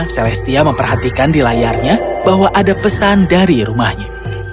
celestia memperhatikan di layarnya bahwa ada pesan dari rumahnya